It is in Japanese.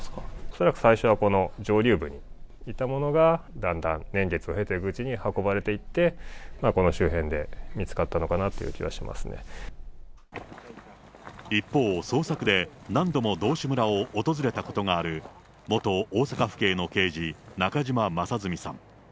恐らく最初はこの上流部にいたものが、だんだん年月を経ていくうちに運ばれていって、この周辺で見つか一方、捜索で何度も道志村を訪れたことがある、元大阪府警の刑事、中島正純さん。